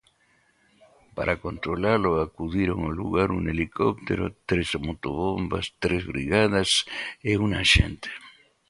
Para controlalo acudiron ao lugar un helicóptero, tres motobombas, tres brigadas e un axente.